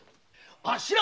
あっしら